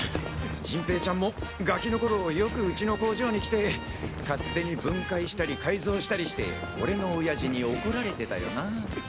陣平ちゃんもガキの頃よくウチの工場に来て勝手に分解したり改造したりして俺の親父に怒られてたよな？